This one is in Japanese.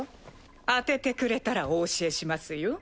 当ててくれたらお教えしますよ。